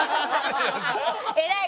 偉い。